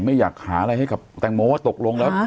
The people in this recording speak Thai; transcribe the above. ไม่อยากหาอะไรให้กับแตงโมว่าตกลงแล้ว